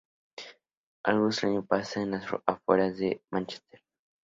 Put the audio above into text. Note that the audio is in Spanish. Algo extraño pasa en las afueras de Manchester.